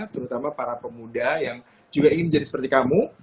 terutama para pemuda yang juga ingin menjadi seperti kamu